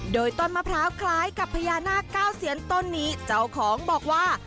โดยต้นมะพร้าวคล้ายกับพญานาคเก้าเซียนต้นนี้เจ้าของบอกว่า